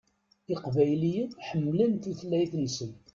Iqbayliyen ḥemmlen tutlayt-nsen.